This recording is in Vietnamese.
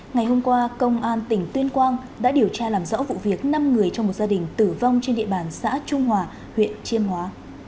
ngày hôm qua công an tỉnh tuyên quang đã điều tra làm rõ vụ việc năm người trong một gia đình tử vong trên địa bàn xã trung hòa huyện chiêm hóa